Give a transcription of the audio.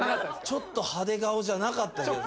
ちょっと派手顔じゃなかった気がする。